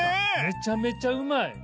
めちゃめちゃうまい。